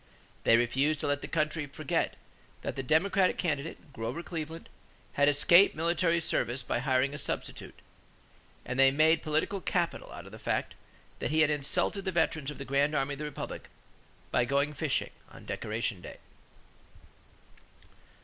They refused to let the country forget that the Democratic candidate, Grover Cleveland, had escaped military service by hiring a substitute; and they made political capital out of the fact that he had "insulted the veterans of the Grand Army of the Republic" by going fishing on Decoration Day.